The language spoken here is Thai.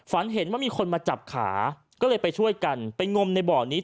ฝันเห็นว่ามีคนมาจับขาก็เลยไปช่วยกันไปงมในบ่อนี้